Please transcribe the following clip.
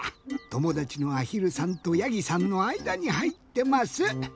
ともだちのあひるさんとやぎさんのあいだにはいってます。